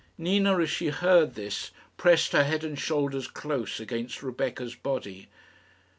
Nina, as she heard this, pressed her head and shoulders close against Rebecca's body.